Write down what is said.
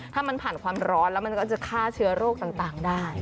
ถ้ามันผ่านความร้อนแล้วมันก็จะฆ่าเชื้อโรคต่างได้